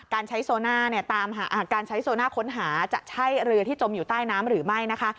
การใช้โซน่าค้นหาจะใช้เรือที่จมอยู่ใต้น้ำหรือไม่นะคะ